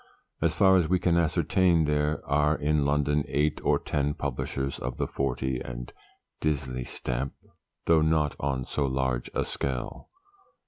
As far as we can ascertain, there are in London eight or ten publishers of the Fortey and Disley stamp though not on so large a scale.